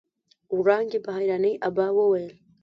وړانګې په حيرانۍ ابا وويل.